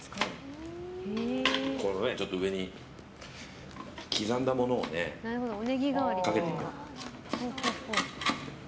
ちょっと上に刻んだものをねかけていく。